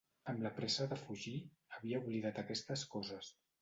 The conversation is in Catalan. Amb la pressa de fugir, havia oblidat aquestes coses.